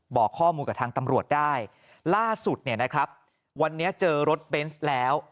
บอกข้อมูลกับทางตำรวจได้ล่าสุดเนี่ยนะครับวันนี้เจอรถเบนส์แล้ว